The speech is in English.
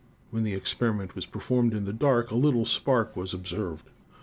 When the experiment was performed in the dark a little spark was observed.'